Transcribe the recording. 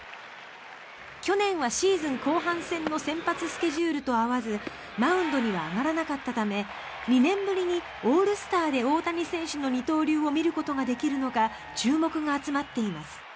去年はシーズン後半戦の先発スケジュールと合わずマウンドには上がらなかったため２年ぶりにオールスターで大谷選手の二刀流を見ることができるのか注目が集まっています。